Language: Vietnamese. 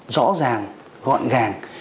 rõ ràng gọn gàng